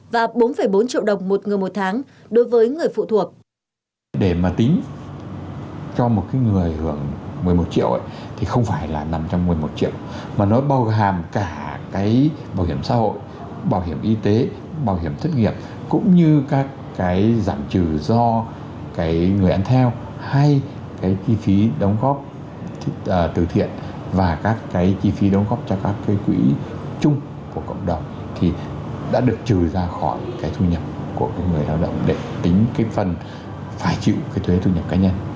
và bốn bốn triệu đồng một người một tháng đối với người phụ thuộc